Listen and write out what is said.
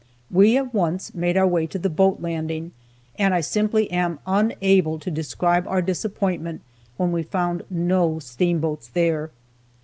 We at once made our way to the boat landing, and I simply am unable to describe our disappointment when we found no steamboats there.